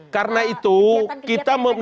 karena itu kita menegakkan